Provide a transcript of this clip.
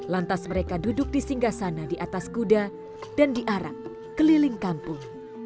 lantas mereka duduk di singgah sana di atas kuda dan diarak keliling kampung